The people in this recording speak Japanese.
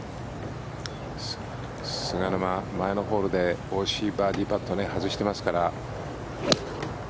菅沼、前のホールで惜しいバーディーパットを外してますから。